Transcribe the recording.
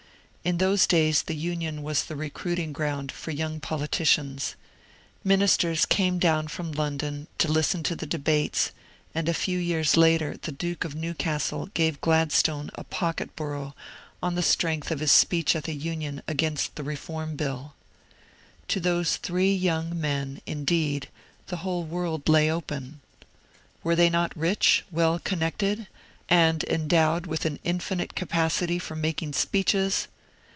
In those days the Union was the recruiting ground for young politicians; Ministers came down from London to listen to the debates; and a few years later the Duke of Newcastle gave Gladstone a pocket borough on the strength of his speech at the Union against the Reform Bill. To those three young men, indeed, the whole world lay open. Were they not rich, well connected, and endowed with an infinite capacity for making speeches?